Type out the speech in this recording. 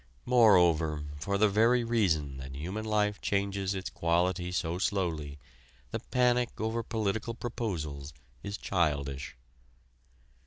Moreover, for the very reason that human life changes its quality so slowly, the panic over political proposals is childish.